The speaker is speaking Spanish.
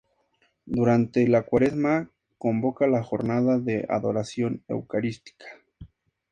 Durante la cuaresma convoca la jornada de adoración eucarística.